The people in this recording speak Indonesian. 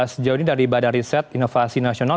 sejauh ini dari bada riset inovasi dan pembangunan